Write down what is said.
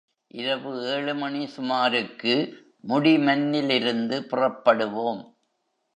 இரவு ஏழு மணி சுமாருக்கு முடிமன்னிலிருந்து புறப்படுவோம்.